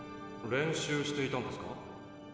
練習していたんですか？